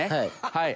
はい。